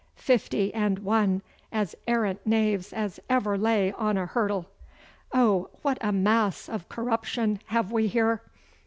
Fifty and one as arrant knaves as ever lay on a hurdle! Oh, what a mass of corruption have we here!